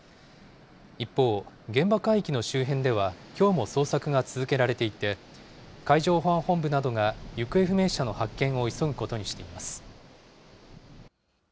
一方、現場海域の周辺ではきょうも捜索が続けられていて、海上保安本部などが、行方不明者の発見を急ぐことにしています。